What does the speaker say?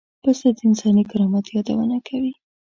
پسه د انساني کرامت یادونه کوي.